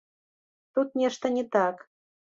Тут нешта не так.